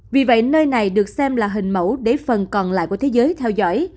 vì vậy nơi này được xem là hình mẫu để phần còn lại của thế giới theo dõi